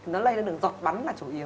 nó lây đường giọt bắn là chủ yếu